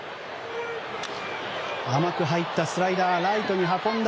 甘く入ったスライダーライトに運んだ。